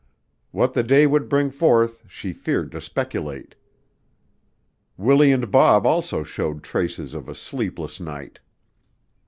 What the day would bring forth she feared to speculate. Willie and Bob also showed traces of a sleepless night.